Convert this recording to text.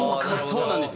そうなんですよ。